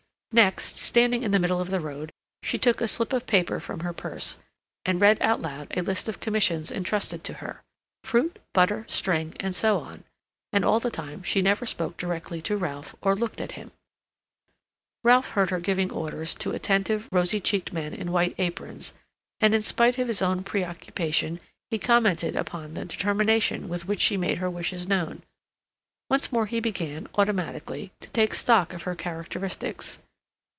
Next, standing in the middle of the road, she took a slip of paper from her purse, and read out loud a list of commissions entrusted to her—fruit, butter, string, and so on; and all the time she never spoke directly to Ralph or looked at him. Ralph heard her giving orders to attentive, rosy checked men in white aprons, and in spite of his own preoccupation, he commented upon the determination with which she made her wishes known. Once more he began, automatically, to take stock of her characteristics.